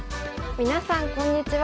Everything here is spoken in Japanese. みなさんこんにちは。